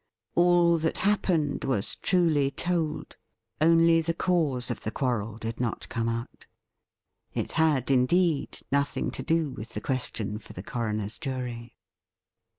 All that happened was truly told, only the cause of the quarrel did not come out. It had, indeed, nothing to do with the question for the coroner's jury.